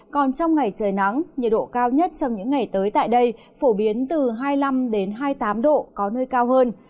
còn trong ngày trời nắng nhiệt độ cao nhất trong những ngày tới tại đây phổ biến từ hai mươi năm hai mươi tám độ có nơi cao hơn